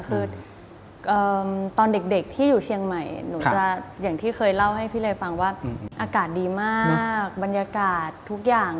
คือตอนเด็กที่อยู่เชียงใหม่หนูจะอย่างที่เคยเล่าให้พี่เลฟังว่าอากาศดีมากบรรยากาศทุกอย่าง